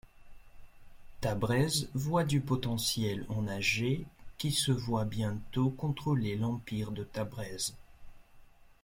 Tabrez voit du potentiel en Ajay qui se voit bientôt contrôler l’empire de Tabrez.